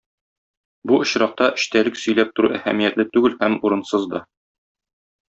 Бу очракта эчтәлек сөйләп тору әһәмиятле түгел һәм урынсыз да.